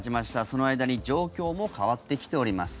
その間に状況も変わってきております。